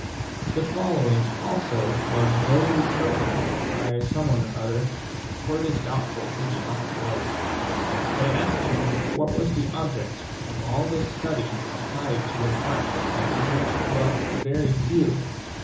The following also was nobly spoken by someone orother, for it is doubtful who the author was ; they asked him what was the object of all this study applied to an art that would reach but very few.